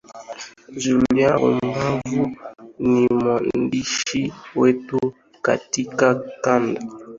julian rumbavu ni mwandishi wetu katika kanda